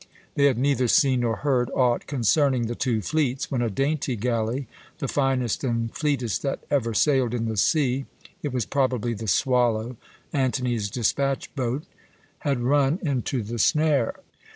They had neither seen nor heard aught concerning the two fleets, when a dainty galley, "the finest and fleetest that ever sailed in the sea" it was probably the "Swallow," Antony's despatch boat had run into the snare.